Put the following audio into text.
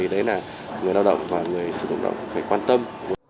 đấy là người lao động và người sử dụng lao động phải quan tâm